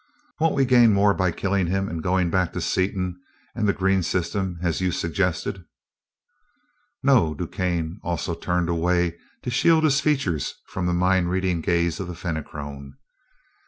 "Wouldn't we gain more by killing him and going back to Seaton and the green system, as you suggested?" "No." DuQuesne also turned away, to shield his features from the mind reading gaze of the Fenachrone.